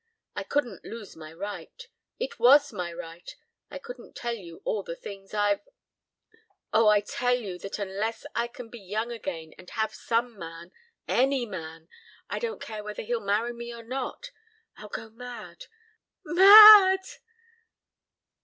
I couldn't lose my right It was my right. I couldn't tell you all the things I've Oh, I tell you that unless I can be young again and have some man any man I don't care whether he'll marry me or not I'll go mad mad!"